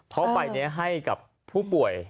เพราะใบนี้ให้กับผู้ป่วย